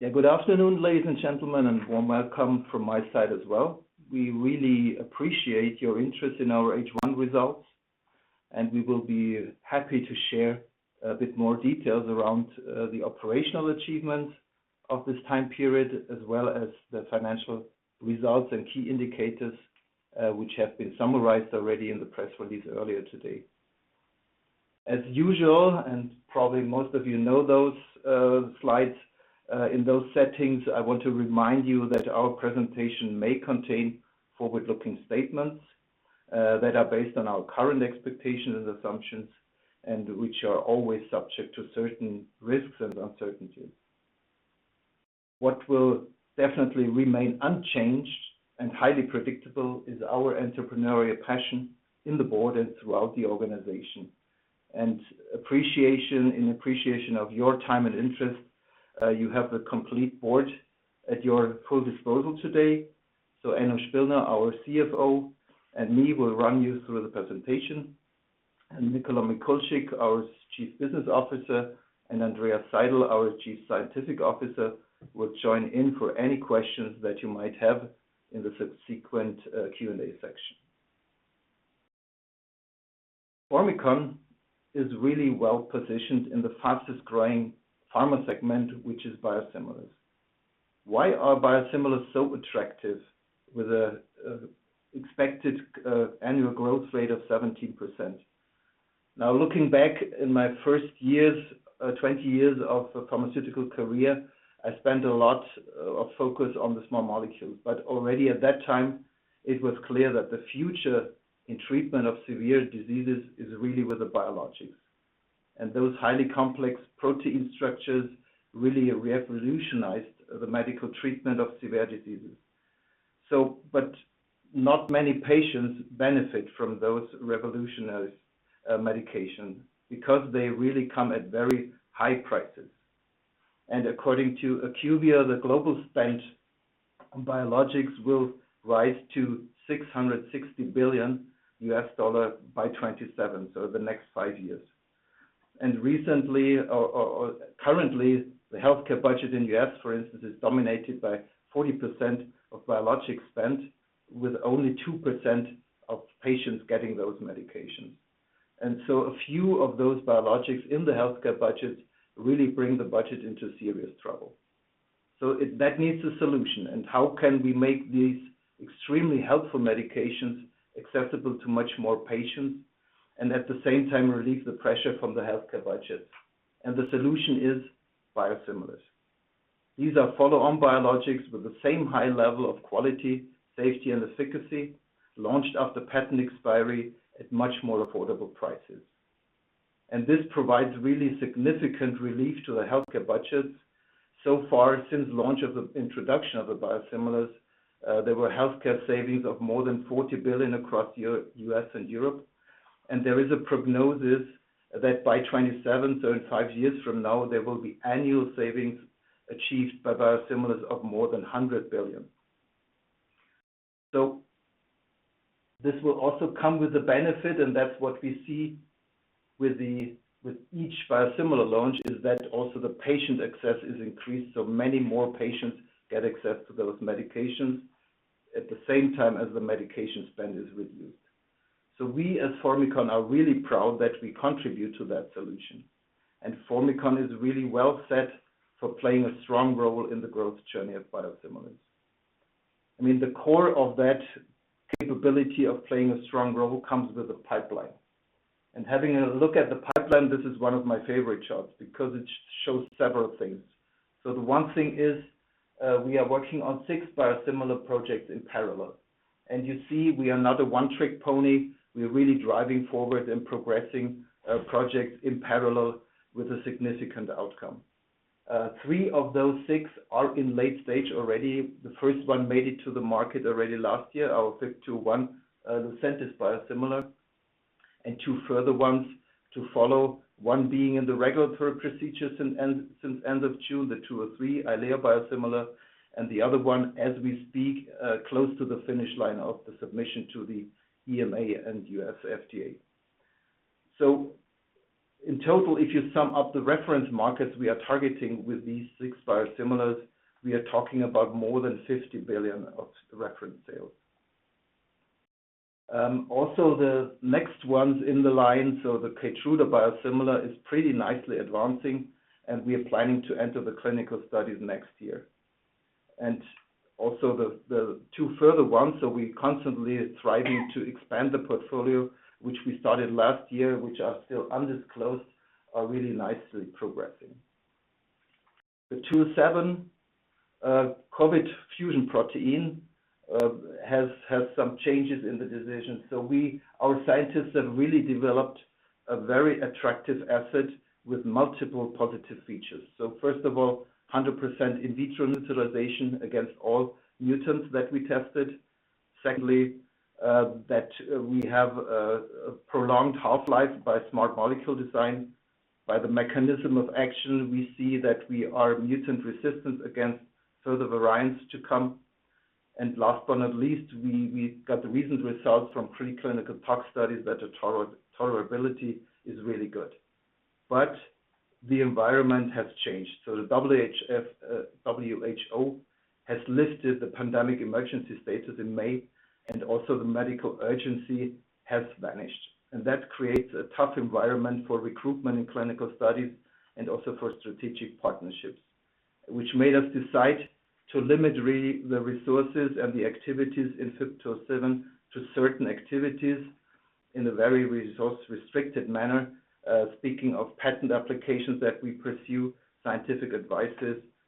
Yeah, good afternoon, ladies and gentlemen, and warm welcome from my side as well. We really appreciate your interest in our H1 results, and we will be happy to share a bit more details around the operational achievements of this time period, as well as the financial results and key indicators, which have been summarized already in the press release earlier today. As usual, and probably most of you know those slides in those settings, I want to remind you that our presentation may contain forward-looking statements that are based on our current expectations and assumptions, and which are always subject to certain risks and uncertainties. What will definitely remain unchanged and highly predictable is our entrepreneurial passion in the board and throughout the organization. In appreciation of your time and interest, you have the complete board at your full disposal today. So Enno Spillner, our CFO, and me, will run you through the presentation. And Nicola Mikulcik, our Chief Business Officer, and Andreas Seidl, our Chief Scientific Officer, will join in for any questions that you might have in the subsequent Q&A section. Formycon is really well-positioned in the fastest-growing pharma segment, which is biosimilars. Why are biosimilars so attractive, with an expected annual growth rate of 17%? Now, looking back in my first 20 years of pharmaceutical career, I spent a lot of focus on the small molecules, but already at that time it was clear that the future in treatment of severe diseases is really with the biologics. And those highly complex protein structures really revolutionized the medical treatment of severe diseases. So, but not many patients benefit from those revolutionary medications because they really come at very high prices. According to IQVIA, the global spend on biologics will rise to $660 billion by 2027, so the next five years. And recently or currently, the healthcare budget in the U.S., for instance, is dominated by 40% of biologic spend, with only 2% of patients getting those medications. And so a few of those biologics in the healthcare budget really bring the budget into serious trouble. So, that needs a solution, and how can we make these extremely helpful medications accessible to much more patients, and at the same time relieve the pressure from the healthcare budget? And the solution is biosimilars. These are follow-on biologics with the same high level of quality, safety, and efficacy, launched after patent expiry at much more affordable prices. This provides really significant relief to the healthcare budgets. So far, since launch of the introduction of the biosimilars, there were healthcare savings of more than $40 billion across EU, US and Europe. There is a prognosis that by 2027, so in five years from now, there will be annual savings achieved by biosimilars of more than $100 billion. This will also come with a benefit, and that's what we see with the, with each biosimilar launch, is that also the patient access is increased, so many more patients get access to those medications at the same time as the medication spend is reduced. So we, as Formycon, are really proud that we contribute to that solution. Formycon is really well set for playing a strong role in the growth journey of biosimilars. I mean, the core of that capability of playing a strong role comes with a pipeline. Having a look at the pipeline, this is one of my favorite charts because it shows several things. So the one thing is, we are working on six biosimilar projects in parallel. And you see, we are not a one-trick pony. We are really driving forward and progressing projects in parallel with a significant outcome. Three of those six are in late stage already. The first one made it to the market already last year, our FYB201, Lucentis biosimilar, and two further ones to follow, one being in the regulatory procedures since end of June, the FYB203 Eylea biosimilar, and the other one, as we speak, close to the finish line of the submission to the EMA and US FDA. So in total, if you sum up the reference markets we are targeting with these six biosimilars, we are talking about more than $50 billion of reference sales. Also the next ones in the line, so the Keytruda biosimilar is pretty nicely advancing, and we are planning to enter the clinical studies next year. And also the two further ones, so we constantly thriving to expand the portfolio, which we started last year, which are still undisclosed, are really nicely progressing. FYB207 COVID fusion protein has some changes in the decision. So we—our scientists have really developed a very attractive asset with multiple positive features. So first of all, 100% in vitro neutralization against all mutants that we tested. Secondly, that we have a prolonged half-life by smart molecule design. By the mechanism of action, we see that we are mutant resistant against further variants to come. And last but not least, we got the recent results from preclinical tox studies that the tolerability is really good. But the environment has changed, so the WHO has lifted the pandemic emergency status in May, and also the medical urgency has vanished. That creates a tough environment for recruitment in clinical studies and also for strategic partnerships, which made us decide to limit the resources and the activities in 207 to certain activities in a very resource-restricted manner, speaking of patent applications that we pursue, scientific advice,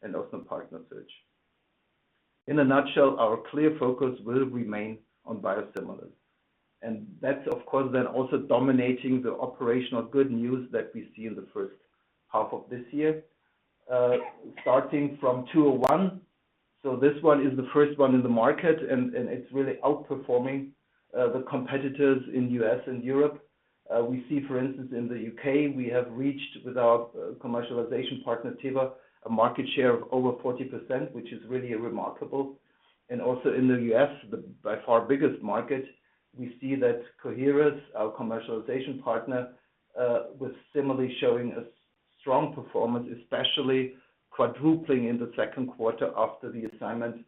and also partner search. In a nutshell, our clear focus will remain on biosimilars, and that's, of course, then also dominating the operational good news that we see in the first half of this year. Starting from 201, so this one is the first one in the market, and it's really outperforming the competitors in U.S. and Europe. We see, for instance, in the U.K., we have reached with our commercialization partner, Teva, a market share of over 40%, which is really remarkable. And also in the U.S., by far the biggest market, we see that Coherus, our commercialization partner, was Cimerli showing a strong performance, especially quadrupling in the second quarter after the assignment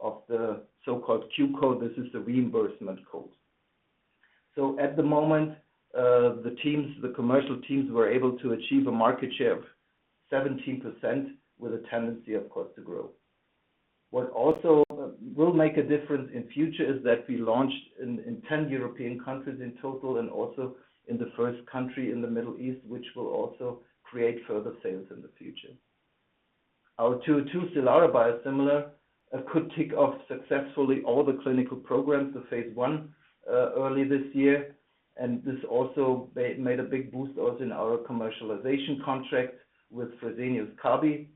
of the so-called Q code. This is the reimbursement code. So at the moment, the teams, the commercial teams, were able to achieve a market share of 17% with a tendency, of course, to grow. What also will make a difference in future is that we launched in 10 European countries in total and also in the first country in the Middle East, which will also create further sales in the future. Our FYB202 Stelara biosimilar could tick off successfully all the clinical programs, the phase I, early this year, and this also made a big boost also in our commercialization contract with Fresenius Kabi.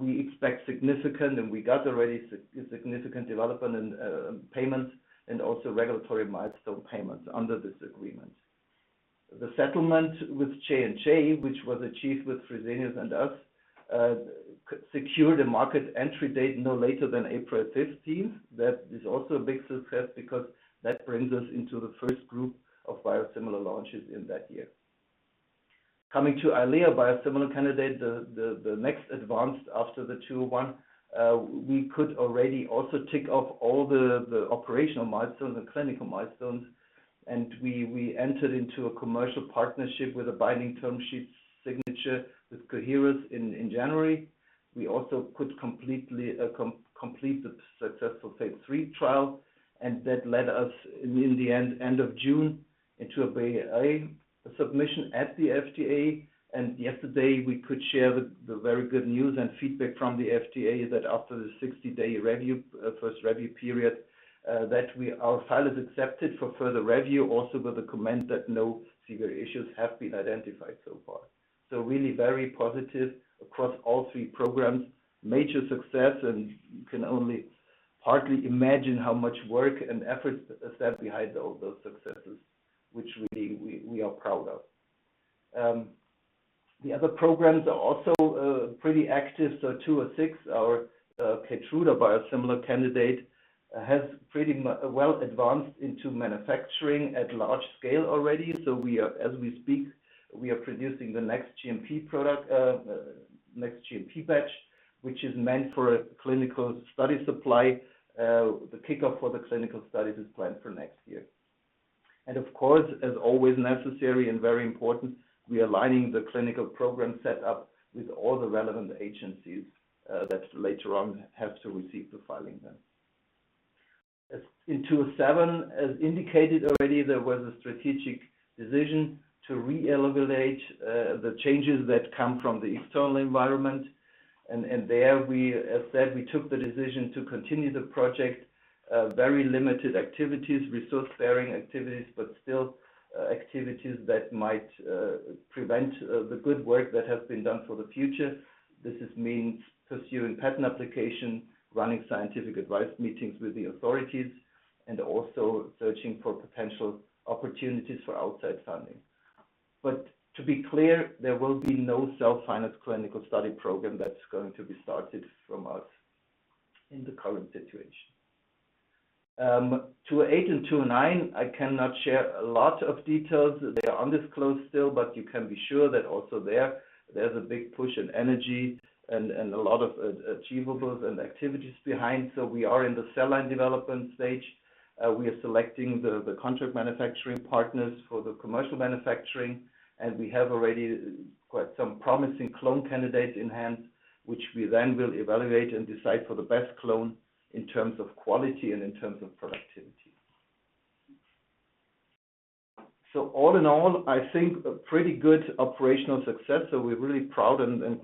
We expect significant, and we got already significant development and payments and also regulatory milestone payments under this agreement. The settlement with J&J, which was achieved with Fresenius and us, could secure the market entry date no later than April fifteenth. That is also a big success because that brings us into the first group of biosimilar launches in that year. Coming to Eylea biosimilar candidate, the next advance after the 201, we could already also tick off all the operational milestones, the clinical milestones, and we entered into a commercial partnership with a binding term sheet signature with Coherus in January. We also could completely complete the successful Phase 3 trial, and that led us in the end of June into a BLA submission at the FDA. Yesterday, we could share the very good news and feedback from the FDA that after the 60-day review, first review period, that our file is accepted for further review, also with a comment that no severe issues have been identified so far. So really very positive across all three programs, major success, and you can only hardly imagine how much work and effort that stands behind all those successes, which we are proud of. The other programs are also pretty active. So 206, our Keytruda biosimilar candidate, has pretty well advanced into manufacturing at large scale already. So we are, as we speak, we are producing the next GMP product, next GMP batch, which is meant for a clinical study supply. The kickoff for the clinical study is planned for next year. Of course, as always necessary and very important, we are aligning the clinical program set up with all the relevant agencies that later on have to receive the filing then. In FYB207, as indicated already, there was a strategic decision to reevaluate the changes that come from the external environment. There we, as said, we took the decision to continue the project, very limited activities, resource-sparing activities, but still, activities that might prevent the good work that has been done for the future. This means pursuing patent application, running scientific advice meetings with the authorities, and also searching for potential opportunities for outside funding. But to be clear, there will be no self-finance clinical study program that's going to be started from us in the current situation. 208 and 209, I cannot share a lot of details. They are undisclosed still, but you can be sure that also there, there's a big push in energy and, and a lot of, achievables and activities behind. So we are in the cell line development stage. We are selecting the, the contract manufacturing partners for the commercial manufacturing, and we have already quite some promising clone candidates in hand, which we then will evaluate and decide for the best clone in terms of quality and in terms of productivity. So all in all, I think a pretty good operational success. So we're really proud and a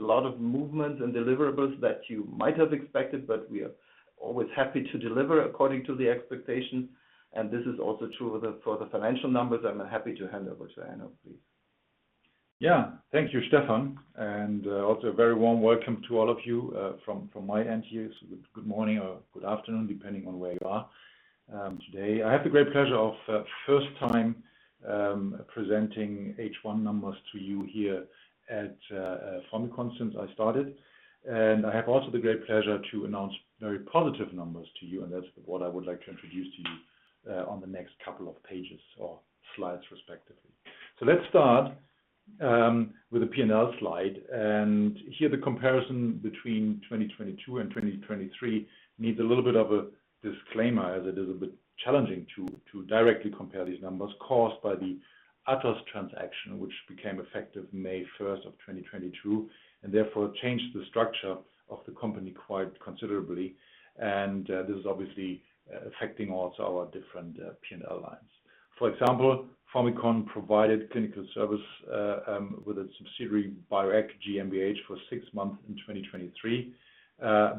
lot of movement and deliverables that you might have expected, but we are always happy to deliver according to the expectation, and this is also true for the financial numbers. I'm happy to hand over to Enno, please. Yeah. Thank you, Stefan, and also a very warm welcome to all of you from my end here. So good morning or good afternoon, depending on where you are. Today, I have the great pleasure of first time presenting H1 numbers to you here since I started. And I have also the great pleasure to announce very positive numbers to you, and that's what I would like to introduce to you on the next couple of pages or slides, respectively. So let's start with the P&L slide, and here the comparison between 2022 and 2023 needs a little bit of a disclaimer, as it is a bit challenging to directly compare these numbers caused by the Athos transaction, which became effective May 1, 2022, and therefore changed the structure of the company quite considerably. And this is obviously affecting also our different P&L lines. For example, Formycon provided clinical service with a subsidiary, Bioeq GmbH, for six months in 2023,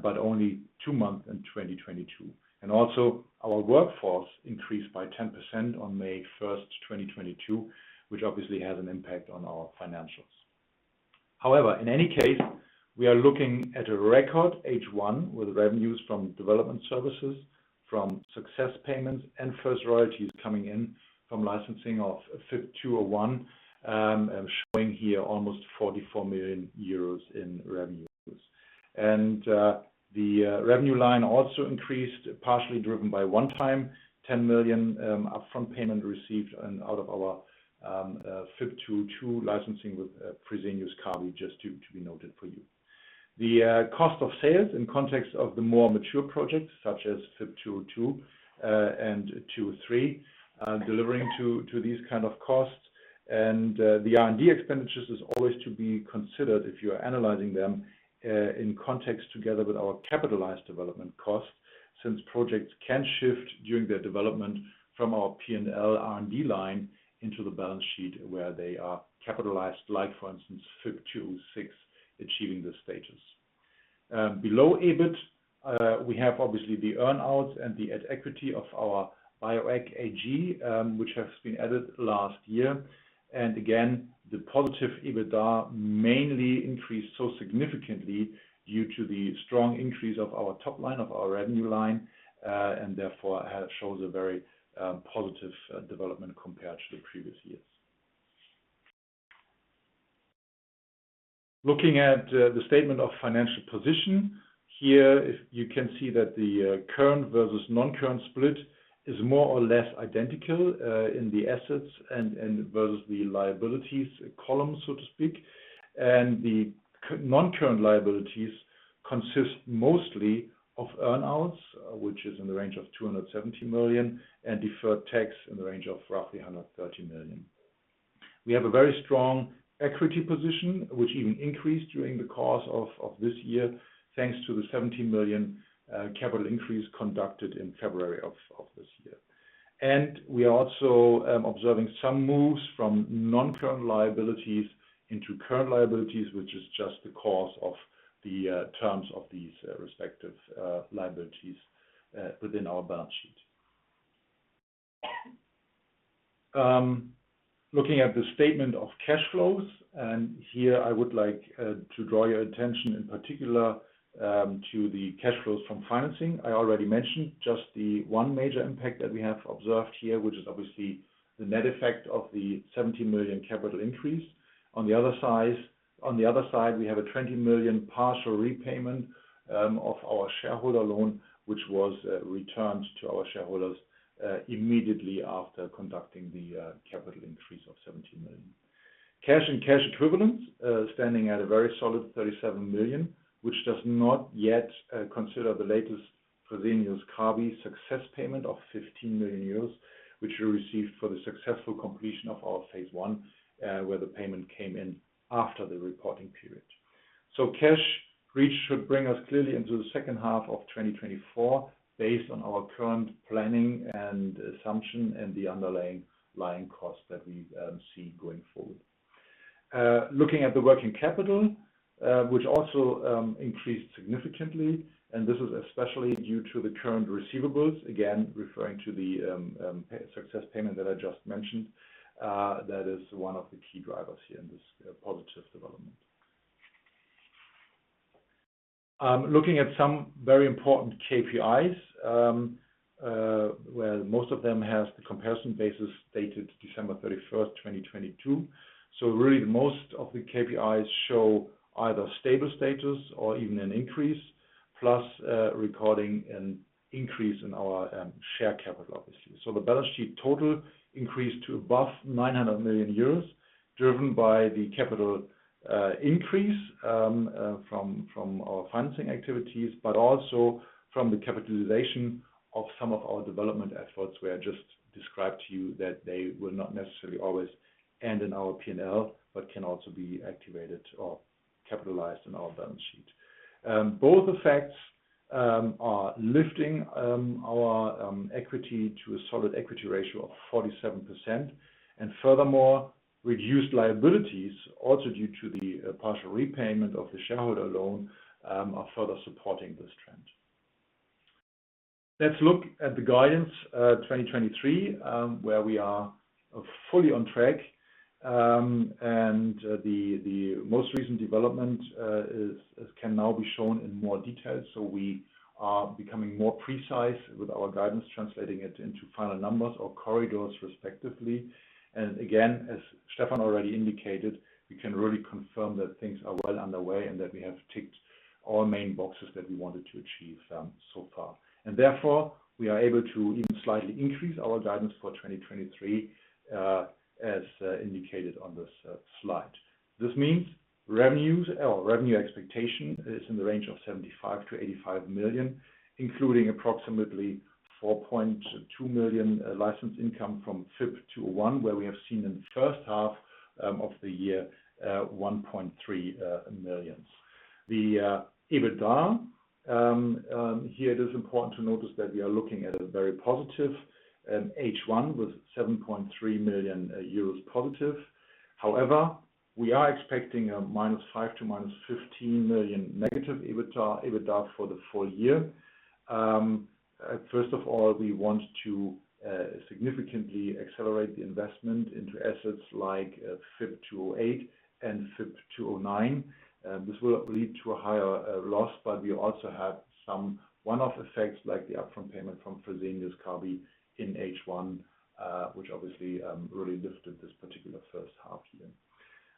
but only two months in 2022. And also our workforce increased by 10% on May 1, 2022, which obviously has an impact on our financials. However, in any case, we are looking at a record H1, with revenues from development services, from success payments and first royalties coming in from licensing of FYB201, and showing here almost 44 million euros in revenues. And, the revenue line also increased, partially driven by one-time 10 million upfront payment received and out of our FYB202 licensing with Fresenius Kabi, just to be noted for you. The cost of sales in context of the more mature projects such as FYB202 and FYB203 delivering to these kind of costs. The R&D expenditures is always to be considered if you are analyzing them in context together with our capitalized development costs, since projects can shift during their development from our P&L R&D line into the balance sheet, where they are capitalized, like for instance, FYB206, achieving the status. Below EBIT, we have obviously the earn outs and the at equity of our Bioeq AG, which has been added last year. And again, the positive EBITDA mainly increased so significantly due to the strong increase of our top line, of our revenue line, and therefore shows a very positive development compared to the previous years. Looking at the statement of financial position, here, if you can see that the current versus non-current split is more or less identical in the assets and versus the liabilities column, so to speak. And the non-current liabilities consist mostly of earn outs, which is in the range of 270 million, and deferred tax in the range of roughly 130 million. We have a very strong equity position, which even increased during the course of this year, thanks to the 17 million capital increase conducted in February of this year. And we are also observing some moves from non-current liabilities into current liabilities, which is just the course of the terms of these respective liabilities within our balance sheet. Looking at the statement of cash flows, and here I would like to draw your attention in particular to the cash flows from financing. I already mentioned just the one major impact that we have observed here, which is obviously the net effect of the 17 million capital increase. On the other side, we have a 20 million partial repayment of our shareholder loan, which was returned to our shareholders immediately after conducting the capital increase of 17 million. Cash and cash equivalents standing at a very solid 37 million, which does not yet consider the latest Fresenius Kabi success payment of 15 million euros, which we received for the successful completion of our Phase 1, where the payment came in after the reporting period. So cash reach should bring us clearly into the second half of 2024, based on our current planning and assumption and the underlying costs that we see going forward. Looking at the working capital, which also increased significantly, and this is especially due to the current receivables. Again, referring to the success payment that I just mentioned, that is one of the key drivers here in this positive development. Looking at some very important KPIs, well, most of them have the comparison basis dated December 31, 2022. So really, most of the KPIs show either stable status or even an increase, plus recording an increase in our share capital, obviously. So the balance sheet total increased to above 900 million euros, driven by the capital increase from our financing activities, but also from the capitalization of some of our development efforts, where I just described to you that they will not necessarily always end in our P&L, but can also be activated or capitalized in our balance sheet. Both effects are lifting our equity to a solid equity ratio of 47%. And furthermore, reduced liabilities, also due to the partial repayment of the shareholder loan, are further supporting this trend. Let's look at the guidance 2023, where we are fully on track.... And the most recent development can now be shown in more detail. So we are becoming more precise with our guidance, translating it into final numbers or corridors respectively. And again, as Stefan already indicated, we can really confirm that things are well underway and that we have ticked all main boxes that we wanted to achieve, so far. And therefore, we are able to even slightly increase our guidance for 2023, as indicated on this slide. This means revenues or revenue expectation is in the range of 75-85 million, including approximately 4.2 million license income from FYB201, where we have seen in the first half of the year 1.3 millions. The EBITDA, here it is important to notice that we are looking at a very positive H1 with 7.3 million euros positive. However, we are expecting a -5 million to -15 million negative EBITDA for the full year. First of all, we want to significantly accelerate the investment into assets like FYB208 and FYB209. This will lead to a higher loss, but we also have some one-off effects, like the upfront payment from Fresenius Kabi in H1, which obviously really lifted this particular first half year.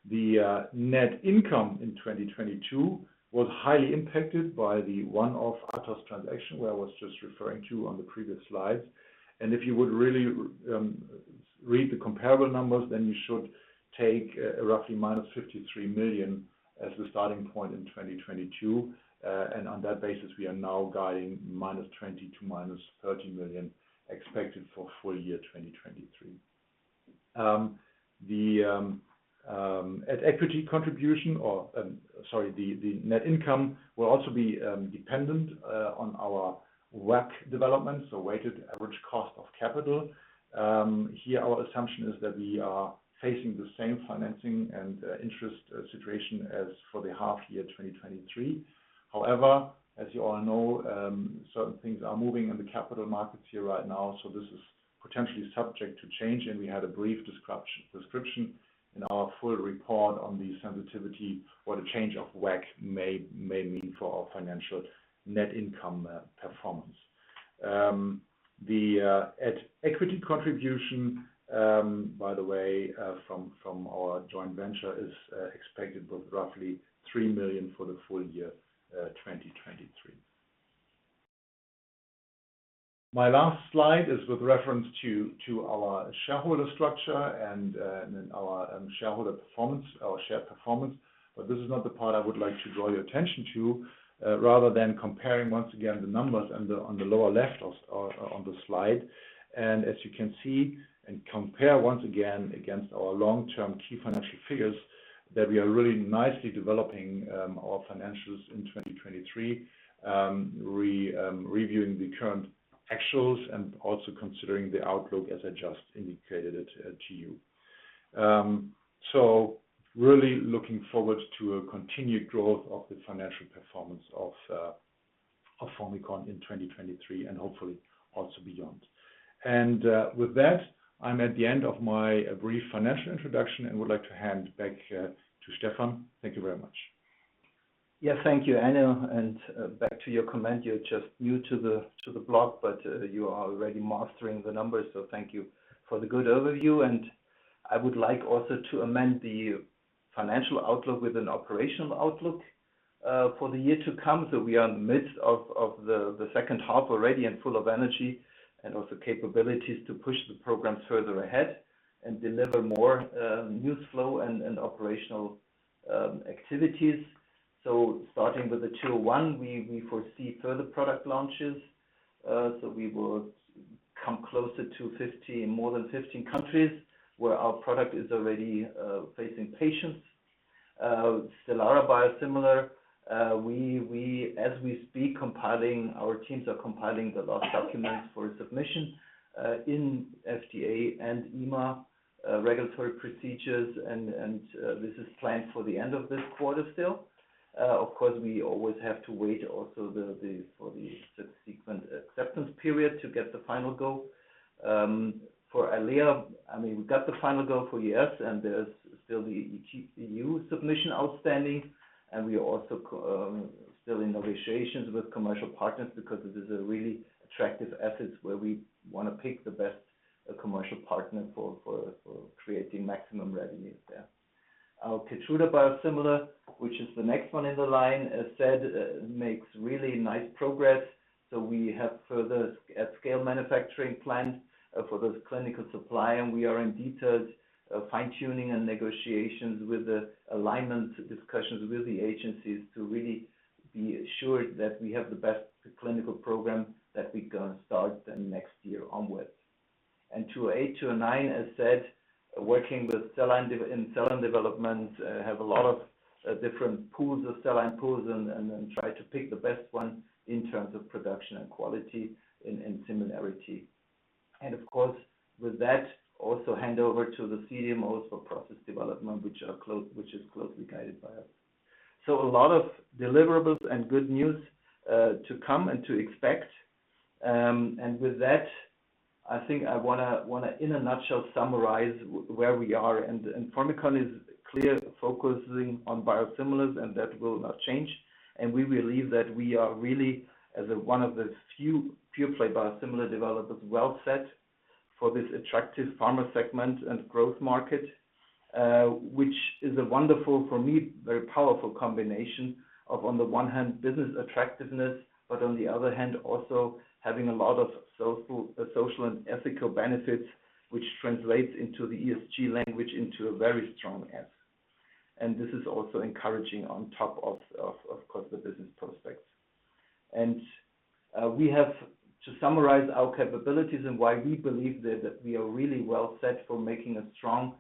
The net income in 2022 was highly impacted by the one-off ATHOS transaction, where I was just referring to on the previous slide. And if you would really read the comparable numbers, then you should take roughly -53 million as the starting point in 2022. And on that basis, we are now guiding -20 million to -30 million expected for full year 2023. The net income will also be dependent on our WACC development, so weighted average cost of capital. Here, our assumption is that we are facing the same financing and interest situation as for the half year 2023. However, as you all know, certain things are moving in the capital markets here right now, so this is potentially subject to change, and we had a brief description in our full report on the sensitivity, what a change of WACC may mean for our financial net income performance. The at-equity contribution, by the way, from our joint venture is expected of roughly 3 million for the full year, 2023. My last slide is with reference to our shareholder structure and our shareholder performance, our share performance. But this is not the part I would like to draw your attention to, rather than comparing once again, the numbers on the lower left of the slide. And as you can see, and compare once again, against our long-term key financial figures, that we are really nicely developing our financials in 2023. Reviewing the current actuals and also considering the outlook as I just indicated it to you. So really looking forward to a continued growth of the financial performance of Formycon in 2023 and hopefully also beyond. With that, I'm at the end of my brief financial introduction and would like to hand back to Stefan. Thank you very much. Yes, thank you, Enno. Back to your comment, you're just new to the block, but you are already mastering the numbers, so thank you for the good overview. I would like also to amend the financial outlook with an operational outlook for the year to come. So we are in the midst of the second half already and full of energy and also capabilities to push the program further ahead and deliver more news flow and operational activities. So starting with the 201, we foresee further product launches. So we will come closer to 15, more than 15 countries where our product is already facing patients. Stelara biosimilar, as we speak, our teams are compiling the last documents for submission in FDA and EMA regulatory procedures. This is planned for the end of this quarter still. Of course, we always have to wait also for the subsequent acceptance period to get the final go. For Eylea, I mean, we got the final go for U.S., and there's still the E.U. submission outstanding, and we are also still in negotiations with commercial partners because this is a really attractive assets where we want to pick the best commercial partner for creating maximum revenues there. Our Keytruda biosimilar, which is the next one in the line, as said, makes really nice progress. So we have further at scale manufacturing plans for this clinical supply, and we are in detailed fine-tuning and negotiations with the alignment discussions with the agencies to really be assured that we have the best clinical program that we can start the next year onwards. And 208, 209, as said, working with cell line development, have a lot of different pools of cell line pools and try to pick the best one in terms of production and quality and similarity. And of course, with that, also hand over to the CDMOs for process development, which is closely guided by us. So a lot of deliverables and good news to come and to expect. And with that, I think I want to, in a nutshell, summarize where we are. And Formycon is clear focusing on biosimilars, and that will not change. And we believe that we are really, as one of the few pure-play biosimilar developers, well set for this attractive pharma segment and growth market, which is a wonderful, for me, very powerful combination of, on the one hand, business attractiveness, but on the other hand, also having a lot of social and ethical benefits, which translates into the ESG language, into a very strong S. And this is also encouraging on top of, of course, the business prospects. And we have to summarize our capabilities and why we believe that we are really well set for making a strong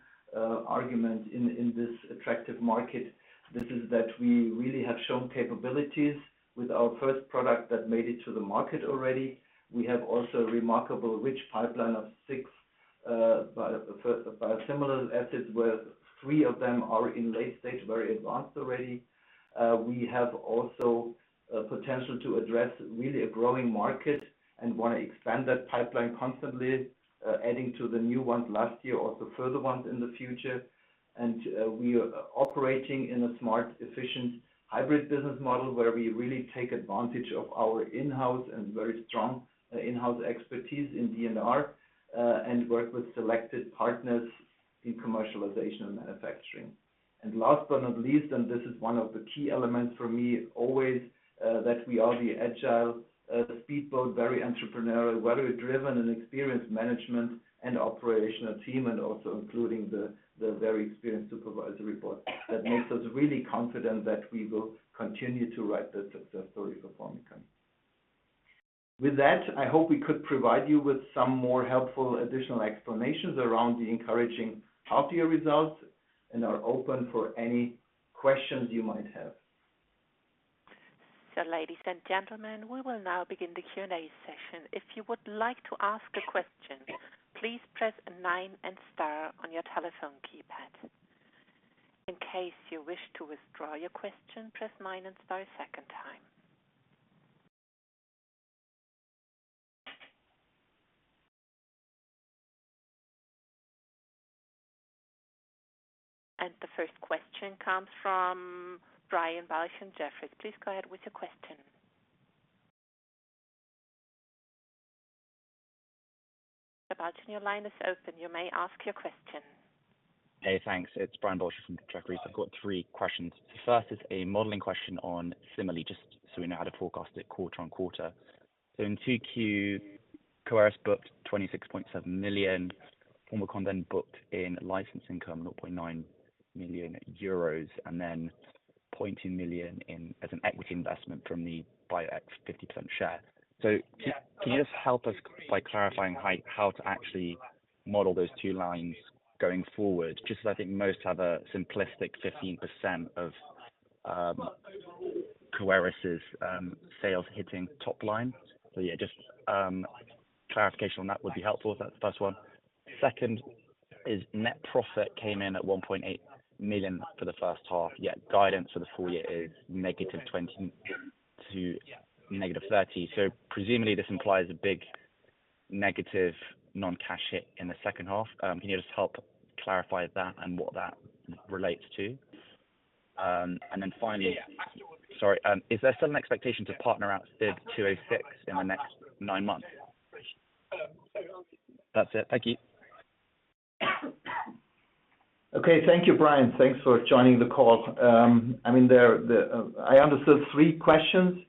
argument in this attractive market. This is that we really have shown capabilities with our first product that made it to the market already. We have also a remarkable rich pipeline of 6 biosimilar assets, where 3 of them are in late stage, very advanced already. We have also a potential to address really a growing market and want to expand that pipeline, constantly adding to the new ones last year or the further ones in the future. We are operating in a smart, efficient, hybrid business model, where we really take advantage of our in-house and very strong in-house expertise in R&D and work with selected partners in commercialization and manufacturing. Last but not least, and this is one of the key elements for me always, that we are the agile, the speedboat, very entrepreneurial, very driven and experienced management and operational team, and also including the very experienced supervisory board. That makes us really confident that we will continue to write the success story for Formycon. With that, I hope we could provide you with some more helpful additional explanations around the encouraging half year results, and are open for any questions you might have. Ladies and gentlemen, we will now begin the Q&A session. If you would like to ask a question, please press nine and star on your telephone keypad. In case you wish to withdraw your question, press nine and star a second time. The first question comes from Brian Balchin from Jefferies. Please go ahead with your question. Mr. Balchin, your line is open. You may ask your question. Hey, thanks. It's Brian Balchin from Jefferies. I've got three questions. The first is a modeling question on similarly, just so we know how to forecast it quarter-on-quarter. So in 2Q, Coherus booked $26.7 million. Formycon then booked in licensing income, 0.9 million euros, and then 0.2 million in as an equity investment from the Bioeq 50% share. So can you just help us by clarifying how to actually model those two lines going forward? Just so I think most have a simplistic 15% of Coherus's sales hitting top line. So yeah, just clarification on that would be helpful. That's the first one. Second is, net profit came in at 1.8 million for the first half, yet guidance for the full year is -20 million--30 million. Presumably, this implies a big negative non-cash hit in the second half. Can you just help clarify that and what that relates to? And then finally... is there still an expectation to partner out FYB206 in the next 9 months? That's it. Thank you. Okay, thank you, Brian. Thanks for joining the call. I mean, I understood three questions.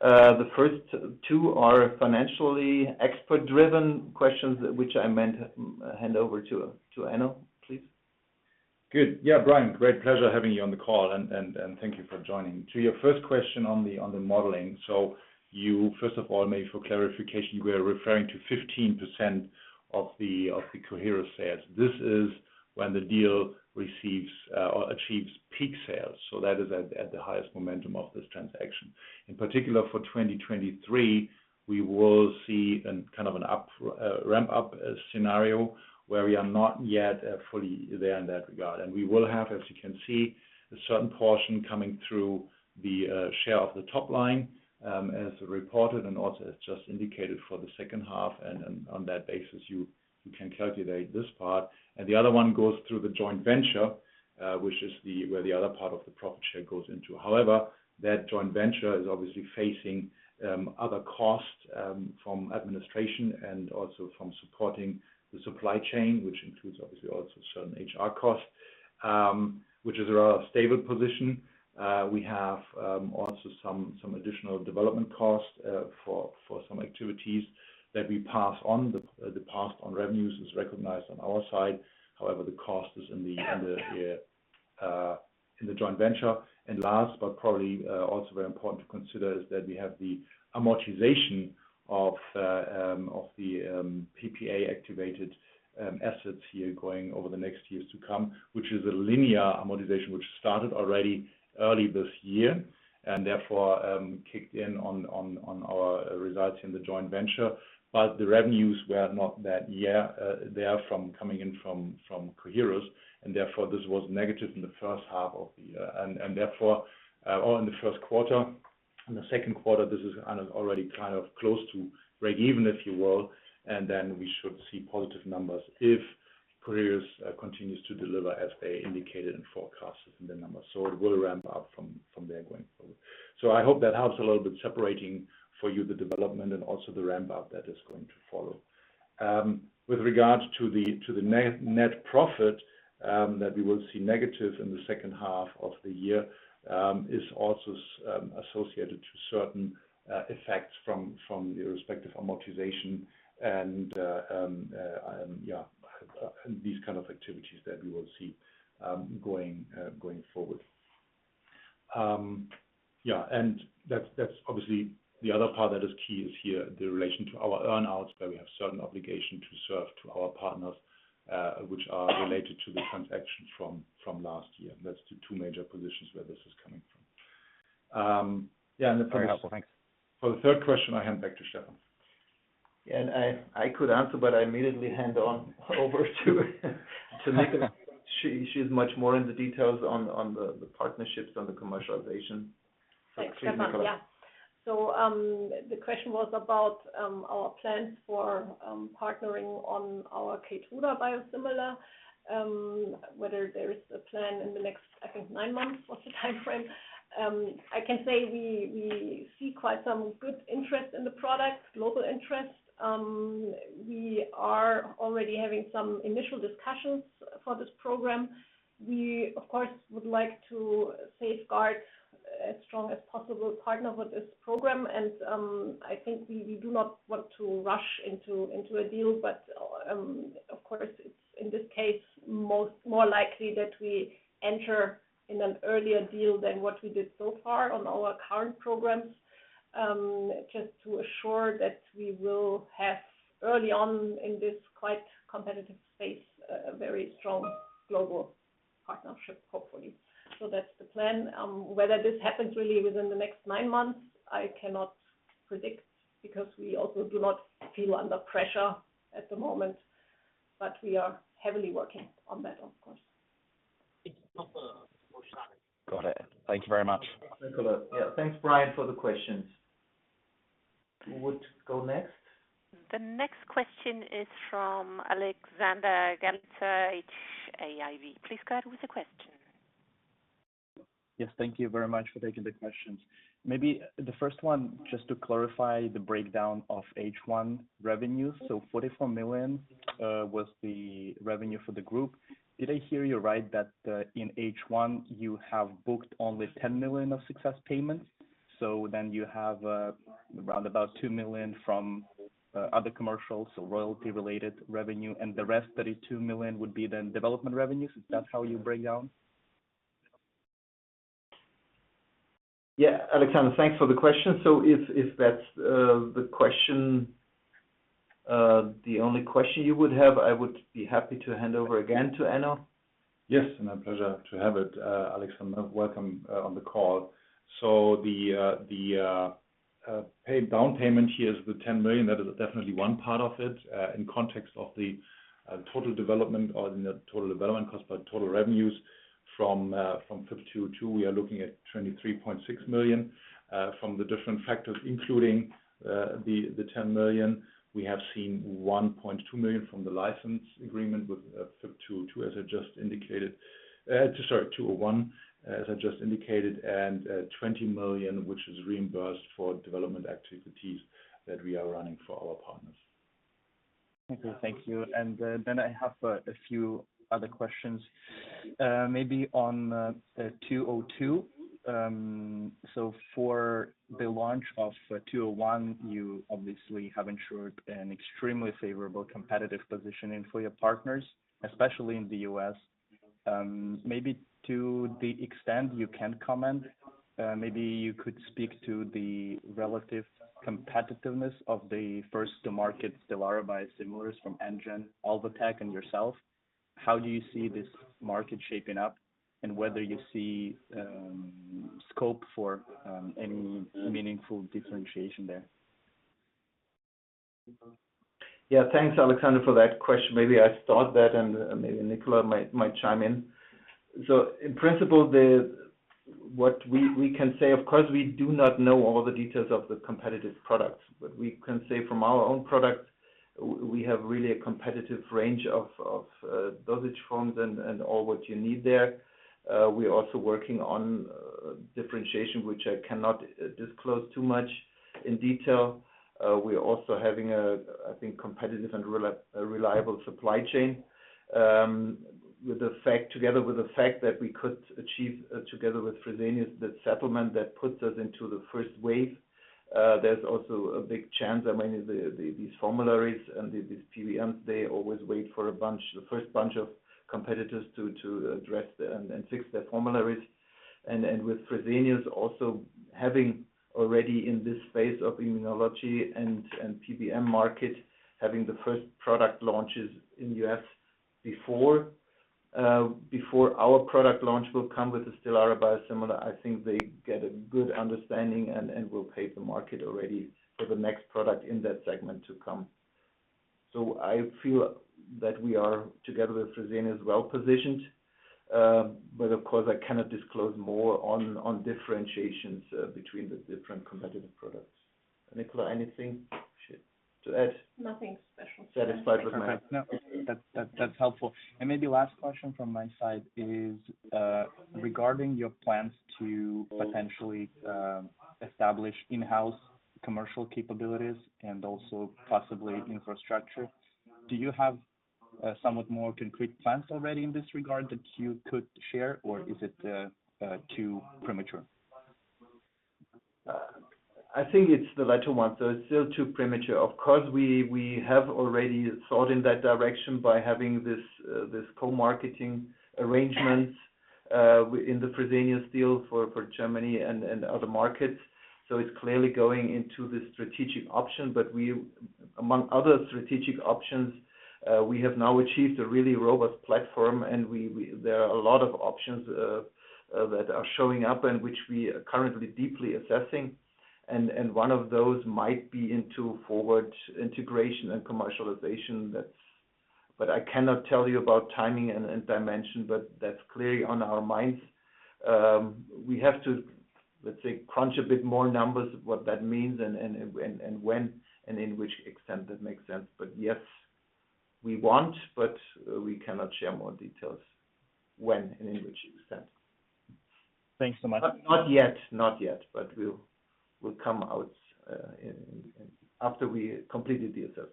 The first two are financially expert-driven questions, which I meant to hand over to Enno, please. Good. Yeah, Brian, great pleasure having you on the call, and thank you for joining. To your first question on the modeling. So you, first of all, maybe for clarification, we are referring to 15% of the Coherus sales. This is when the deal receives or achieves peak sales. So that is at the highest momentum of this transaction. In particular, for 2023, we will see a kind of an up ramp-up scenario where we are not yet fully there in that regard. We will have, as you can see, a certain portion coming through the share of the top line, as reported and also as just indicated for the second half. On that basis, you can calculate this part. The other one goes through the joint venture, which is where the other part of the profit share goes into. However, that joint venture is obviously facing other costs from administration and also from supporting the supply chain, which includes obviously also certain HR costs, which is a rather stable position. We have also some additional development costs for some activities that we pass on. The passed on revenues is recognized on our side. However, the cost is in the joint venture. And last, but probably also very important to consider, is that we have the amortization of the PPA activated assets here going over the next years to come, which is a linear amortization, which started already early this year. And therefore, kicked in on our results in the joint venture. But the revenues were not that great, therefore coming in from Coherus and therefore, this was negative in the first half of the year. And therefore, or in the first quarter. In the second quarter, this is already kind of close to breakeven, if you will, and then we should see positive numbers if Coherus continues to deliver as they indicated and forecasted in the numbers. So it will ramp up from there going forward. So I hope that helps a little bit, separating for you the development and also the ramp-up that is going to follow. With regards to the net profit that we will see negative in the second half of the year is also associated to certain effects from the respective amortization and these kind of activities that we will see going forward. And that's obviously the other part that is key is here, the relation to our earn-outs, where we have certain obligation to serve to our partners which are related to the transactions from last year. That's the two major positions where this is coming from. And the first- Very helpful. Thanks. For the third question, I hand back to Stefan. And I could answer, but I immediately hand over to Nicola. She's much more in the details on the partnerships, on the commercialization. Thanks, Stefan. Yeah. So, the question was about our plans for partnering on our Keytruda biosimilar. Whether there is a plan in the next, I think, nine months, what's the time frame? I can say we see quite some good interest in the product, global interest. We are already having some initial discussions for this program. We, of course, would like to safeguard as strong as possible partner with this program, and I think we do not want to rush into a deal. But, of course, it's, in this case, more likely that we enter in an earlier deal than what we did so far on our current programs. Just to assure that we will have early on in this quite competitive space, a very strong global partnership, hopefully. So that's the plan. Whether this happens really within the next nine months, I cannot predict because we also do not feel under pressure at the moment, but we are heavily working on that, of course. Got it. Thank you very much. Nicola. Yeah. Thanks, Brian, for the questions. Who would go next? The next question is from Alexander Galitsa, HAIB. Please go ahead with the question. Yes, thank you very much for taking the questions. Maybe the first one, just to clarify the breakdown of H1 revenues. So 44 million was the revenue for the group. Did I hear you right, that in H1, you have booked only 10 million of success payments? So then you have around about 2 million from other commercials, so royalty-related revenue, and the rest, 32 million, would be then development revenues. Is that how you break down? Yeah, Alexander, thanks for the question. So if that's the only question you would have, I would be happy to hand over again to Enno. Yes, and a pleasure to have it, Alexander, welcome, on the call. So the pay-down payment here is the 10 million. That is definitely one part of it. In context of the total development or the net total development cost, but total revenues from FYB202, we are looking at 23.6 million from the different factors, including the 10 million. We have seen 1.2 million from the license agreement with FYB202, as I just indicated. Sorry, FYB201, as I just indicated, and 20 million, which is reimbursed for development activities that we are running for our partners. Okay, thank you. And, then I have a few other questions, maybe on the 202. So for the launch of 201, you obviously have ensured an extremely favorable competitive positioning for your partners, especially in the U.S. Maybe to the extent you can comment, maybe you could speak to the relative competitiveness of the first to market Stelara biosimilars from Amgen, Alvotech, and yourself. How do you see this market shaping up? And whether you see scope for any meaningful differentiation there. Yeah. Thanks, Alexander, for that question. Maybe I start that, and maybe Nicola might chime in. So in principle, what we can say, of course, we do not know all the details of the competitive products, but we can say from our own product, we have really a competitive range of dosage forms and all what you need there. We're also working on differentiation, which I cannot disclose too much in detail. We're also having a, I think, competitive and reliable supply chain, together with the fact that we could achieve, together with Fresenius, the settlement that puts us into the first wave. There's also a big chance that many of these formularies and these PBMs, they always wait for a bunch, the first bunch of competitors to address and fix their formularies. And with Fresenius also having already in this space of immunology and PBM market, having the first product launches in U.S. before our product launch will come with the Stelara biosimilar, I think they get a good understanding and will pay the market already for the next product in that segment to come. So I feel that we are, together with Fresenius, well-positioned, but of course, I cannot disclose more on differentiations between the different competitive products. Nicola, anything to add? Nothing special. Satisfied with my- No, that, that, that's helpful. And maybe last question from my side is, regarding your plans to potentially, establish in-house commercial capabilities and also possibly infrastructure. Do you have, somewhat more concrete plans already in this regard that you could share, or is it, too premature? I think it's the latter one, so it's still too premature. Of course, we have already thought in that direction by having this co-marketing arrangement in the Fresenius deal for Germany and other markets. So it's clearly going into the strategic option, but we, among other strategic options, we have now achieved a really robust platform, and we, there are a lot of options that are showing up and which we are currently deeply assessing, and one of those might be into forward integration and commercialization. That's, but I cannot tell you about timing and dimension, but that's clearly on our minds. We have to, let's say, crunch a bit more numbers, what that means and when, and in which extent that makes sense. But yes, we want, but we cannot share more details when and in which extent. Thanks so much. Not yet. Not yet, but we'll come out in after we completed the assessment.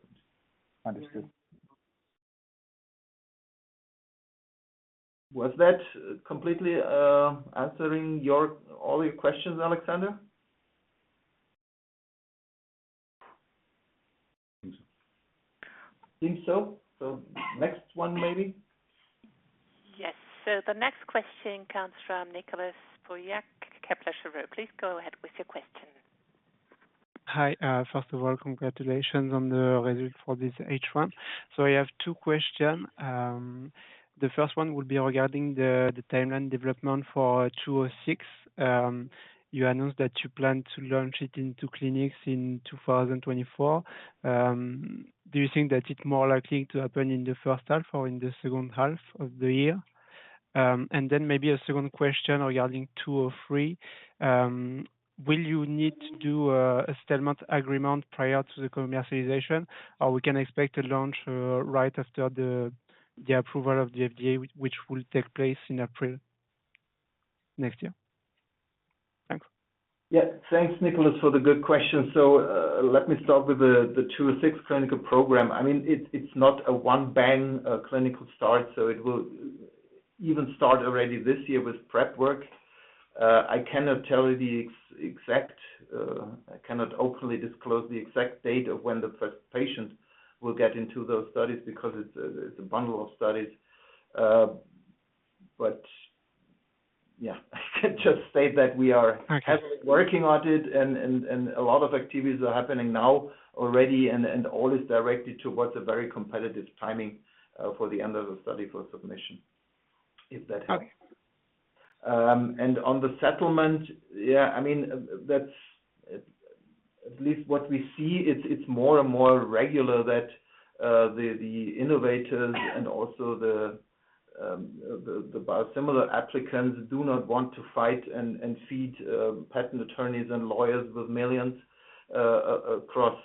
Understood. Was that completely answering all your questions, Alexander? Think so. Think so? So next one, maybe. Yes. So the next question comes from Nicolas Guyon-Gellin, Kepler Cheuvreux. Please go ahead with your question. Hi. First of all, congratulations on the result for this H1. So I have two questions. The first one would be regarding the timeline development for 206. You announced that you plan to launch it into clinics in 2024. Do you think that it's more likely to happen in the first half or in the second half of the year? And then maybe a second question regarding 203. Will you need to do a settlement agreement prior to the commercialization, or we can expect a launch right after the approval of the FDA, which will take place in April next year? Thanks. Yeah. Thanks, Nicolas, for the good question. So, let me start with the 206 clinical program. I mean, it's not a one bang clinical start, so it will even start already this year with prep work. I cannot openly disclose the exact date of when the first patient will get into those studies because it's a bundle of studies. But yeah, just state that we are- Okay... heavily working on it, and a lot of activities are happening now already, and all is directed towards a very competitive timing for the end of the study for submission, if that helps. Okay. And on the settlement, yeah, I mean, that's at least what we see, it's more and more regular that the innovators and also the biosimilar applicants do not want to fight and feed patent attorneys and lawyers with millions across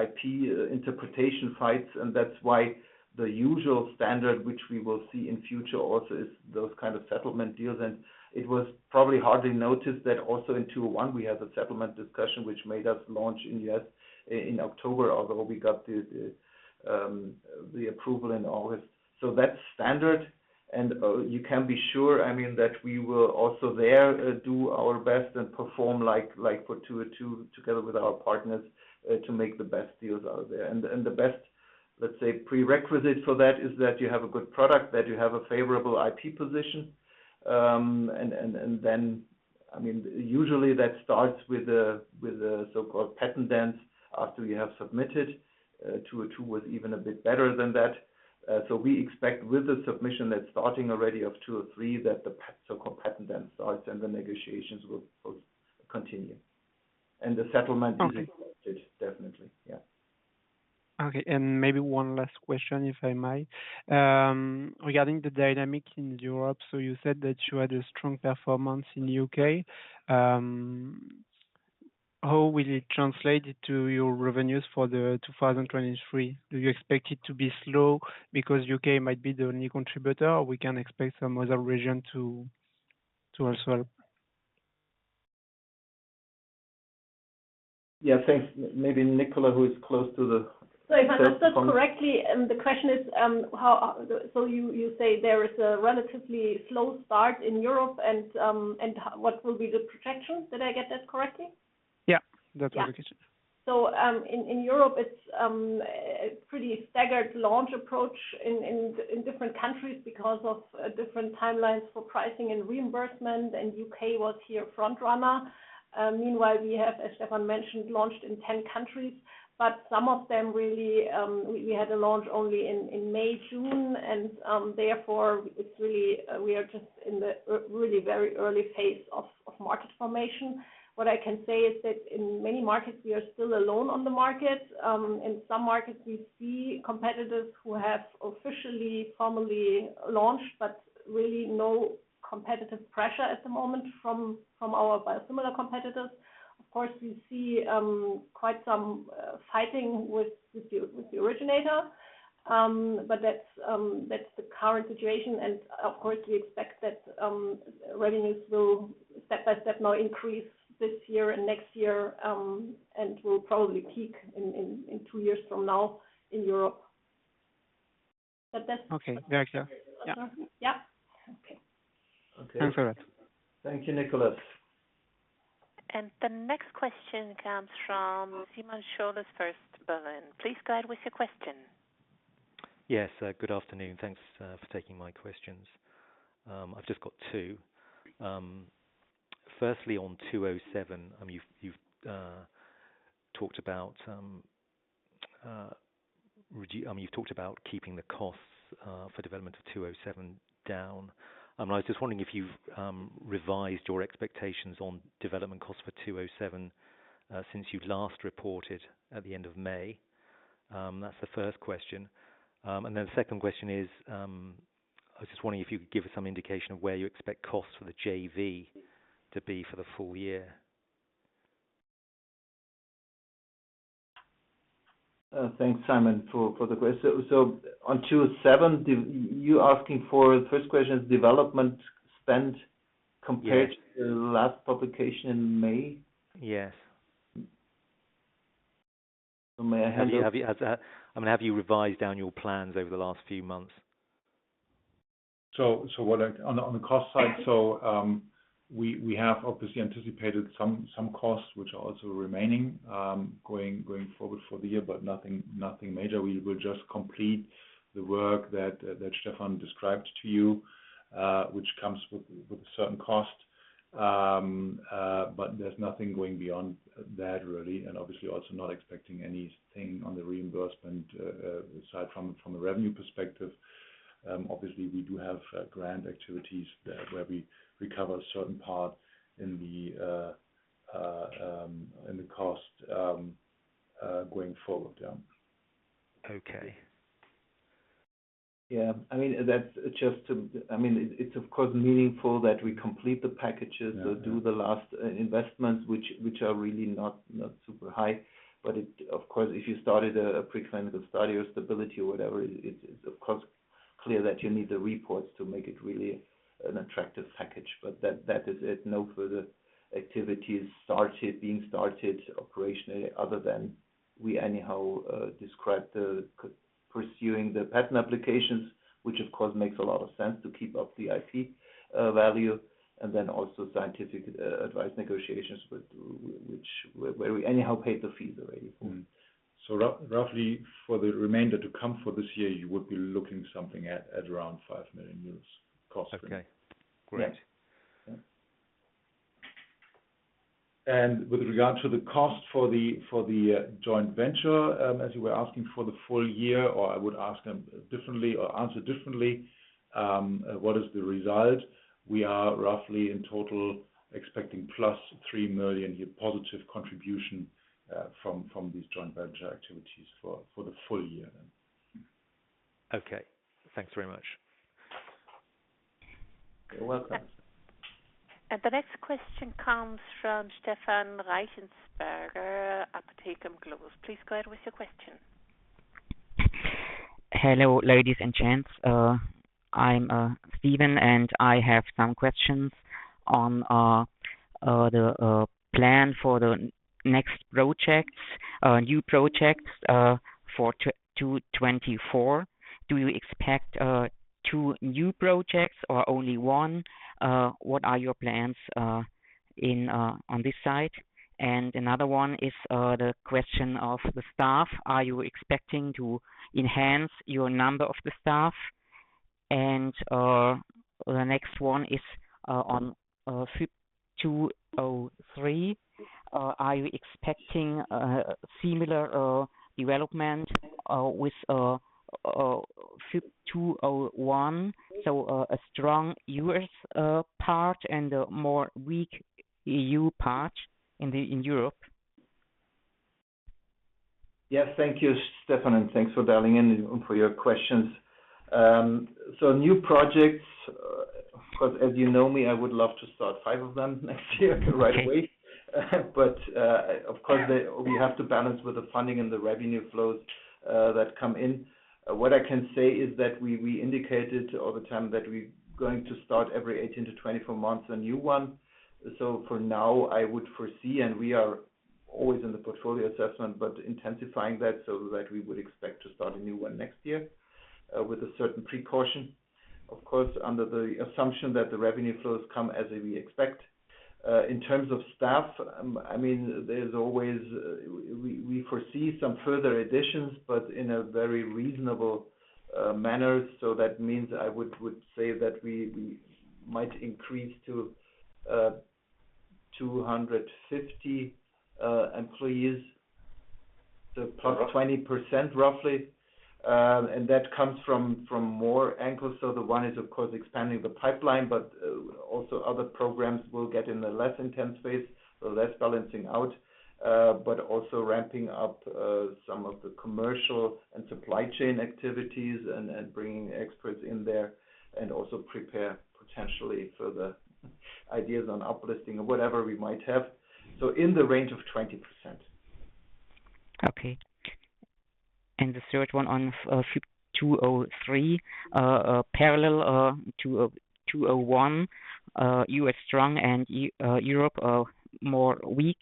IP interpretation fights. And that's why the usual standard, which we will see in future also, is those kind of settlement deals. And it was probably hardly noticed that also in 201, we had a settlement discussion which made us launch in U.S. in October, although we got the approval in August. So that's standard, and you can be sure, I mean, that we will also there do our best and perform like for 202, together with our partners to make the best deals out there. The best, let's say, prerequisite for that is that you have a good product, that you have a favorable IP position. Then, I mean, usually that starts with a so-called patent dance after you have submitted. 202 was even a bit better than that. So we expect with the submission that's starting already of 203, that the so-called patent dance starts and the negotiations will continue. And the settlement is expected- Okay. Definitely, yeah. Okay, and maybe one last question, if I may. Regarding the dynamic in Europe, so you said that you had a strong performance in UK. How will it translate to your revenues for 2023? Do you expect it to be slow because UK might be the only contributor, or we can expect some other region to, to as well? Yeah, thanks. Maybe Nicola, who is close to the- So if I understood correctly, and the question is, how so you say there is a relatively slow start in Europe, and what will be the projections? Did I get that correctly? Yeah, that's correct.... So, in Europe, it's a pretty staggered launch approach in different countries because of different timelines for pricing and reimbursement, and U.K. was the front runner. Meanwhile, we have, as Stefan mentioned, launched in 10 countries, but some of them, we had a launch only in May, June, and therefore, it's really, we are just in the really very early phase of market formation. What I can say is that in many markets, we are still alone on the market. In some markets, we see competitors who have officially, formally launched, but really no competitive pressure at the moment from our biosimilar competitors. Of course, we see quite some fighting with the originator. But that's the current situation, and of course, we expect that revenues will step by step now increase this year and next year, and will probably peak in two years from now in Europe. But that's- Okay. Very clear. Yeah. Yeah. Okay. Okay. Thanks very much. Thank you, Nicolas. The next question comes from Simon Scholes, First Berlin. Please go ahead with your question. Yes, good afternoon. Thanks for taking my questions. I've just got two. Firstly, on 207, I mean, you've talked about keeping the costs for development of 207 down. I was just wondering if you've revised your expectations on development costs for 207 since you've last reported at the end of May? That's the first question. And then the second question is, I was just wondering if you could give us some indication of where you expect costs for the JV to be for the full year. Thanks, Simon, for the question. So on 207, do you asking for, first question is development spend compared- Yes. to the last publication in May? Yes. May I have the- Have you, I mean, have you revised down your plans over the last few months? On the cost side, we have obviously anticipated some costs which are also remaining, going forward for the year, but nothing major. We will just complete the work that Stefan described to you, which comes with certain costs. But there's nothing going beyond that really, and obviously also not expecting anything on the reimbursement aside from a revenue perspective. Obviously, we do have grant activities there, where we recover a certain part in the cost going forward. Yeah. Okay. Yeah. I mean, that's just to, I mean, it's of course meaningful that we complete the packages- Yeah. or do the last investments, which are really not super high. But it... Of course, if you started a preclinical study or stability or whatever, it's of course clear that you need the reports to make it really an attractive package, but that is it. No further activities started, being started operationally, other than we anyhow described pursuing the patent applications, which of course makes a lot of sense to keep up the IP value, and then also scientific advice negotiations with which, where we anyhow paid the fees already. Roughly for the remainder to come for this year, you would be looking something at around 5 million euros cost. Okay. Great. Yeah. With regard to the cost for the joint venture, as you were asking for the full year, or I would ask differently or answer differently, what is the result? We are roughly in total expecting plus three million positive contribution from these joint venture activities for the full year. Okay. Thanks very much. You're welcome. The next question comes from Stefan Reichenberger, Apaton Finance. Please go ahead with your question. Hello, ladies and gents. I'm Stefan, and I have some questions on the plan for the next projects, new projects, for 2024. Do you expect two new projects or only one? What are your plans in on this side? And another one is the question of the staff. Are you expecting to enhance your number of the staff? And the next one is on 203, are you expecting similar development with 201, so a strong U.S. part and a more weak E.U. part in the in Europe? Yes. Thank you, Stefan, and thanks for dialing in and for your questions. So new projects, of course, as you know me, I would love to start 5 of them next year, right away. But, of course, we have to balance with the funding and the revenue flows, that come in. What I can say is that we, we indicated over time that we're going to start every 18-24 months, a new one. So for now, I would foresee, and we are always in the portfolio assessment, but intensifying that so that we would expect to start a new one next year, with a certain precaution.... of course, under the assumption that the revenue flows come as we expect. In terms of staff, I mean, there's always, we foresee some further additions, but in a very reasonable manner. So that means I would say that we might increase to 250 employees, so plus 20%, roughly. And that comes from more angles. So the one is, of course, expanding the pipeline, but also other programs will get in a less intense phase, so less balancing out. But also ramping up some of the commercial and supply chain activities and bringing experts in there, and also prepare potentially for the ideas on uplisting or whatever we might have. So in the range of 20%. Okay. And the third one on 203, parallel to 201, US strong and Europe more weak,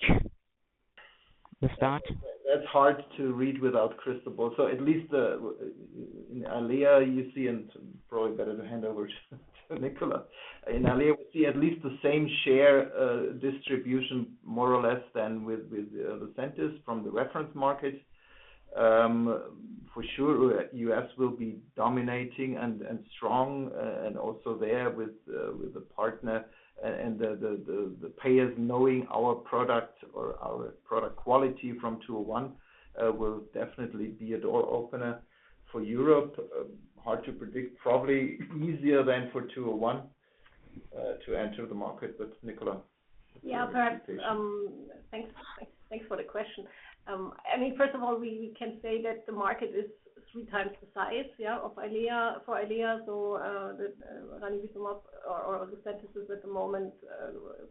the start? That's hard to read without crystal ball. So at least in Eylea, you see, and probably better to hand over to Nicola. In Eylea, we see at least the same share distribution, more or less than with Lucentis from the reference market. For sure, U.S. will be dominating and strong, and also there with a partner and the payers knowing our product or our product quality from two oh one will definitely be a door opener for Europe. Hard to predict, probably easier than for two oh one to enter the market. But Nicola. Yeah, thanks. Thanks for the question. I mean, first of all, we can say that the market is three times the size, yeah, of Eylea, for Eylea. So, the ranibizumab or, or Lucentis is at the moment,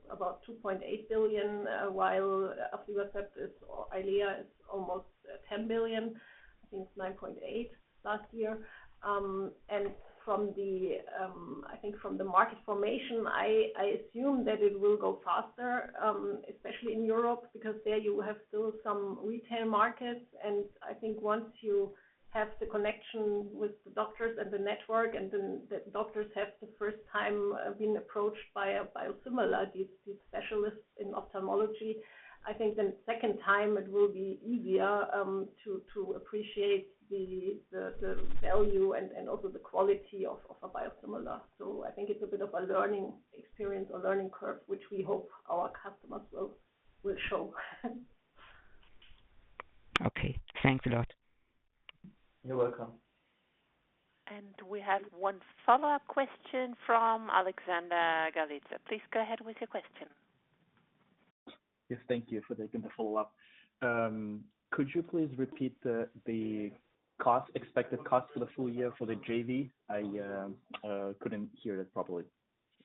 about $2.8 billion, while aflibercept is, or Eylea is almost $10 billion, I think it's $9.8 billion last year. And from the, I think from the market formation, I assume that it will go faster, especially in Europe, because there you have still some retail markets. And I think once you have the connection with the doctors and the network, and then the doctors have the first time been approached by a biosimilar, these specialists in ophthalmology, I think the second time it will be easier to appreciate the value and also the quality of a biosimilar. So I think it's a bit of a learning experience or learning curve, which we hope our customers will show. Okay, thanks a lot. You're welcome. We have one follow-up question from Alexander Galitsa. Please go ahead with your question. Yes, thank you for taking the follow-up. Could you please repeat the, the cost, expected cost for the full year for the JV? I couldn't hear it properly.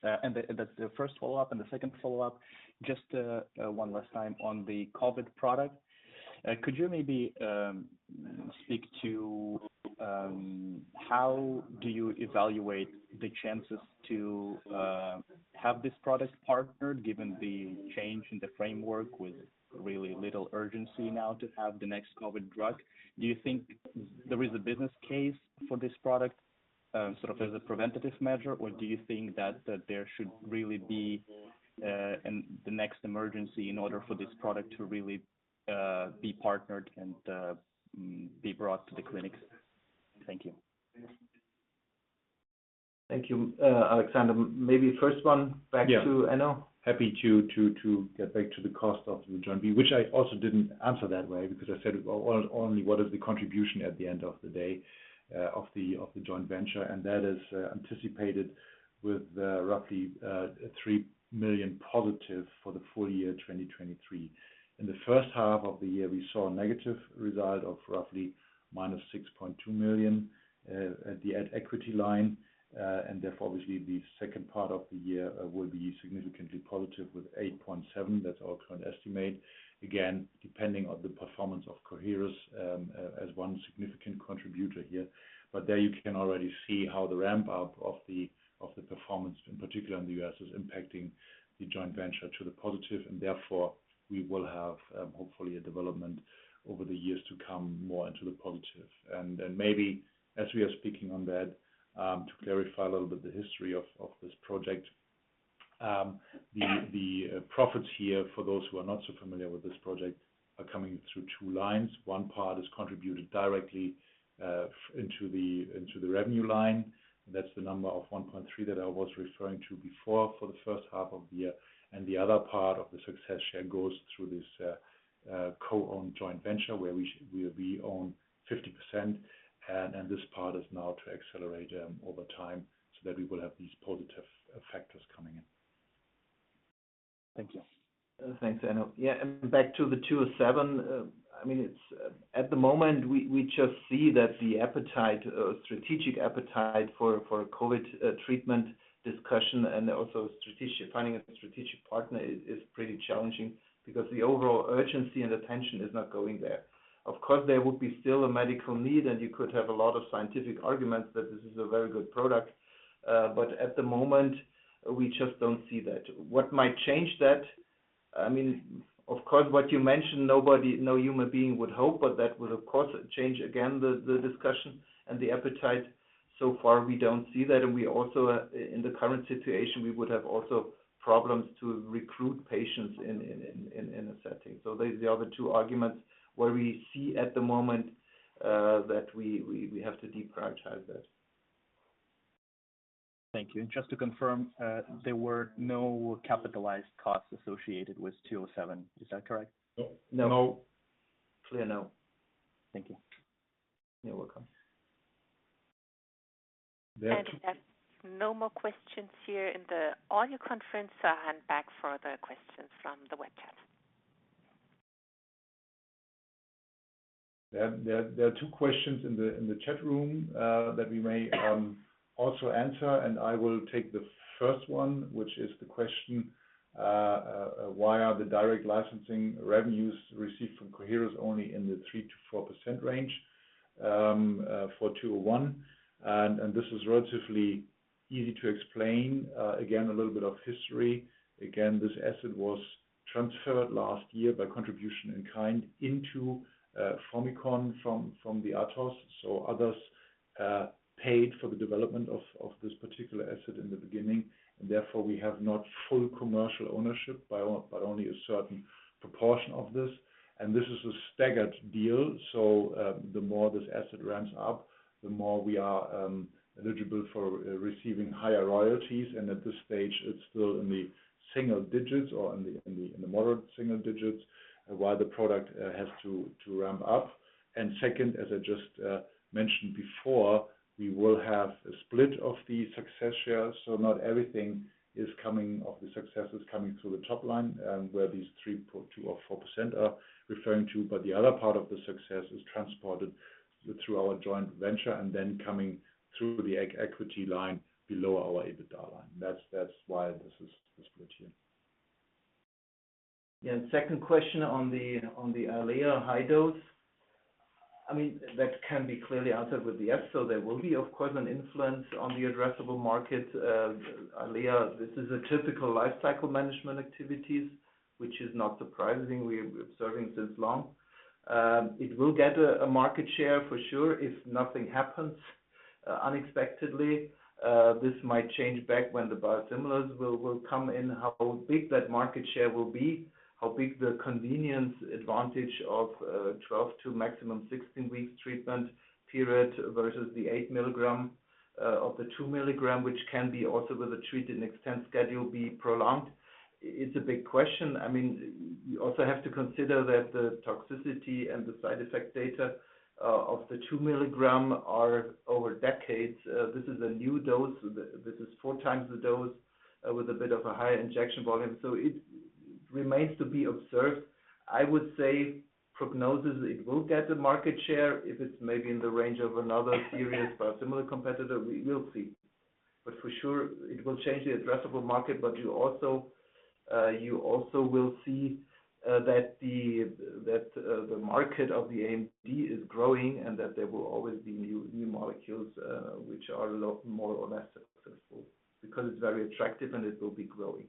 And that's the first follow-up, and the second follow-up, just, one last time on the COVID product. Could you maybe, speak to, how do you evaluate the chances to, have this product partnered, given the change in the framework with really little urgency now to have the next COVID drug? Do you think there is a business case for this product, sort of as a preventative measure? Or do you think that, that there should really be, and the next emergency in order for this product to really, be partnered and, be brought to the clinics? Thank you. Thank you, Alexander. Maybe first one back to Enno. Yeah. Happy to get back to the cost of the joint venture, which I also didn't answer that way because I said, well, only what is the contribution at the end of the day of the joint venture, and that is anticipated with roughly three million positive for the full year, 2023. In the first half of the year, we saw a negative result of roughly minus 6.2 million at the equity line, and therefore, obviously, the second part of the year will be significantly positive with 8.7 million. That's our current estimate. Again, depending on the performance of Coherus as one significant contributor here. But there you can already see how the ramp-up of the performance, in particular in the U.S., is impacting the joint venture to the positive, and therefore, we will have, hopefully, a development over the years to come, more into the positive. Then maybe as we are speaking on that, to clarify a little bit the history of this project. The profits here, for those who are not so familiar with this project, are coming through two lines. One part is contributed directly into the revenue line. That's the number of 1.3 that I was referring to before for the first half of the year. The other part of the success share goes through this co-owned joint venture, where we own 50%, and this part is now to accelerate over time so that we will have these positive factors coming in. Thank you. Thanks, Enno. Yeah, and back to the 207, I mean, it's at the moment we just see that the appetite, strategic appetite for a COVID treatment discussion and also strategic finding a strategic partner is pretty challenging because the overall urgency and attention is not going there. Of course, there would be still a medical need, and you could have a lot of scientific arguments that this is a very good product, but at the moment, we just don't see that. What might change that? I mean, of course, what you mentioned, nobody, no human being would hope, but that would, of course, change again the discussion and the appetite. So far, we don't see that, and we also in the current situation would have also problems to recruit patients in a setting. So there's the other two arguments where we see at the moment that we have to deprioritize that. Thank you. Just to confirm, there were no capitalized costs associated with 207, is that correct? No. No. Clear, no. Thank you. You're welcome. There's no more questions here in the audio conference, so I hand back for other questions from the web chat. There are two questions in the chat room that we may also answer, and I will take the first one, which is the question, why are the direct licensing revenues received from Coherus only in the 3%-4% range, for FYB201? And this is relatively easy to explain. Again, a little bit of history. Again, this asset was transferred last year by contribution in kind into Formycon from others. So others paid for the development of this particular asset in the beginning, and therefore, we have not full commercial ownership, but only a certain proportion of this. And this is a staggered deal, so the more this asset ramps up, the more we are eligible for receiving higher royalties. At this stage, it's still in the single digits or in the moderate single digits, while the product has to ramp up. Second, as I just mentioned before, we will have a split of the success shares. Not everything is coming, of the success, is coming through the top line, and where these 3.2% or 4% are referring to, but the other part of the success is transported through our joint venture and then coming through the equity line below our EBITDA line. That's why this is this split here. Yeah, second question on the EYLEA high dose. I mean, that can be clearly answered with yes. So there will be, of course, an influence on the addressable market. EYLEA, this is a typical life cycle management activities, which is not surprising. We're observing this long. It will get a market share for sure, if nothing happens unexpectedly. This might change back when the biosimilars will come in, how big that market share will be, how big the convenience advantage of 12 to maximum 16 weeks treatment period, versus the 8 milligram of the 2 milligram, which can be also with a treat and extend schedule, be prolonged. It's a big question. I mean, you also have to consider that the toxicity and the side effect data of the 2 milligram are over decades. This is a new dose. This is four times the dose with a bit of a higher injection volume, so it remains to be observed. I would say, prognosis, it will get a market share if it's maybe in the range of another serious, but similar competitor, we will see. But for sure, it will change the addressable market, but you also, you also will see, that the, that, the market of the AMD is growing and that there will always be new, new molecules, which are lot more or less successful because it's very attractive and it will be growing.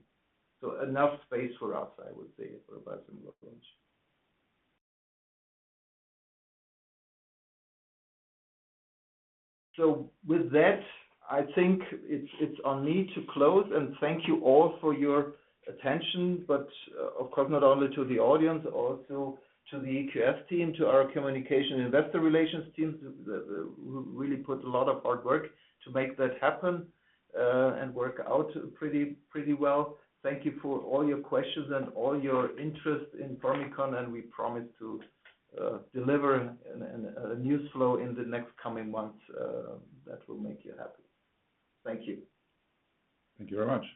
So enough space for us, I would say, for a biosimilar launch. So with that, I think it's on me to close and thank you all for your attention, but, of course, not only to the audience, also to the EQS team, to our communication investor relations teams, that really put a lot of hard work to make that happen, and work out pretty well. Thank you for all your questions and all your interest in Formycon, and we promise to deliver a news flow in the next coming months that will make you happy. Thank you. Thank you very much.